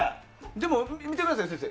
でも、見てください先生